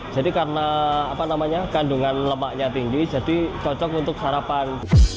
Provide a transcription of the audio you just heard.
jadi karena kandungan lemaknya tinggi jadi cocok untuk sarapan